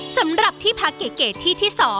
สำหรับที่พักเก๋ที่ที่๒